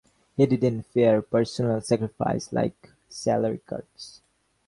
He didn't fear personal sacrifice, like salary cuts.